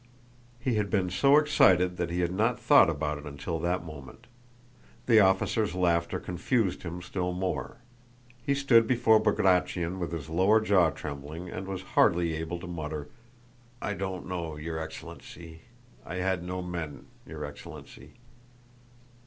He had been so excited that he had not thought about it until that moment. The officers' laughter confused him still more. He stood before Bagratión with his lower jaw trembling and was hardly able to mutter: "I don't know... your excellency... I had no men... your excellency."